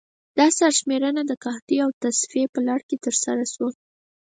دا سرشمېرنه د قحطۍ او تصفیې په لړ کې ترسره شوه.